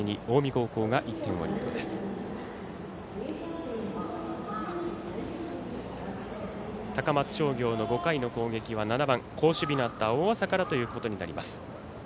高松商業の５回の攻撃は７番、好守備のあった大麻からということになります。